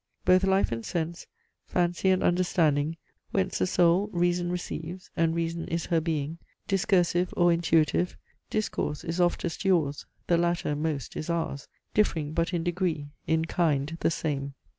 both life, and sense, Fancy and understanding; whence the soul Reason receives, and reason is her bring, Discursive or intuitive: discourse Is oftest yours, the latter most is ours, Differing but in degree, in kind the same.